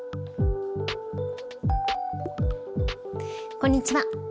こんにちは。